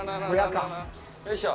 よいしょ。